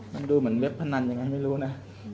มันดูเหมือนเว็บพนันยังไงไม่รู้นะ